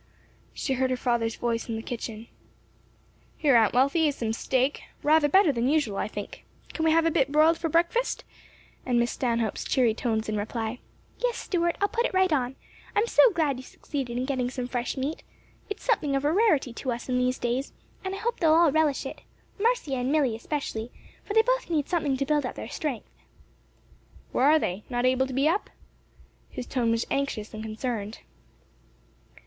She heard her father's voice in the kitchen. "Here, Aunt Wealthy, is some steak; rather better than usual, I think; can we have a bit broiled for breakfast?" and Miss Stanhope's cheery tones in reply, "Yes, Stuart, I'll put it right on. I'm so glad you succeeded in getting some fresh meat. It's something of a rarity to us in these days, and I hope they'll all relish it, Marcia and Milly, especially; for they both need something to build up their strength." "Where are they? not able to be up?" His tone was anxious and concerned.